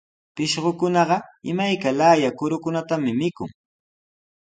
Pishqukunaqa imayka laaya kurukunatami mikun.